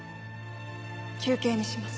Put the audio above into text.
休憩にします。